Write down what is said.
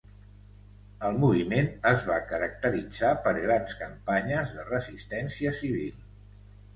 El moviment es va caracteritzar per grans campanyes de resistència civil.